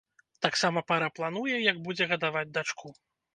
Таксама пара плануе, як будзе гадаваць дачку.